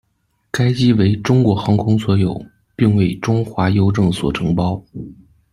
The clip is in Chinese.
该机为中国航空所有、并为中华邮政所承包。